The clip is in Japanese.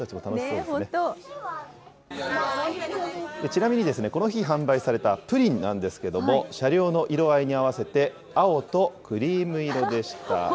ちなみにこの日、販売されたプリンなんですけれども、車両の色合いに合わせて、青とクリーム色でした。